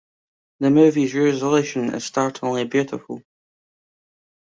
The movie's resolution is startlingly beautiful.